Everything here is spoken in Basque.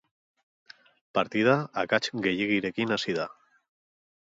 Partida akats gehiegirekin hasi da.